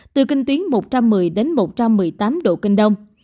từ kinh tuyến một trăm một mươi đến một trăm một mươi tám độ kinh đông